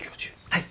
はい。